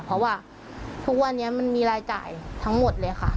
เพราะว่าทุกวันนี้มันมีรายจ่ายทั้งหมดเลยค่ะ